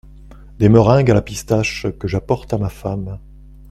Des meringues à la pistache que j’apporte à ma femme…